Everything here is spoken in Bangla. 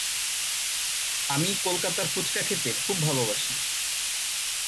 আমি কলকাতার ফুচকা খেতে খুব ভালোবাসি।